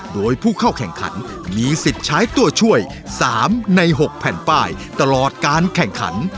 โดยผู้เข้าแข่งขันมีสิทธิ์ใช้ตัวช่วย๓ใน๖แผ่นป้ายตลอดการแข่งขัน